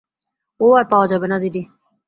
ও আর পাওয়া যাবে না দিদি।